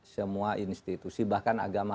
semua institusi bahkan agama